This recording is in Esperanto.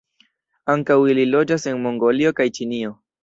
Ankaŭ ili loĝas en Mongolio kaj Ĉinio.